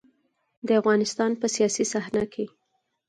د افغانستان په سياسي صحنه کې.